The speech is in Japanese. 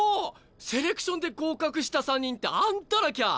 セレクションで合格した３人ってあんたらきゃー！